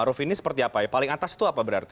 aruf ini seperti apa ya paling atas itu apa berarti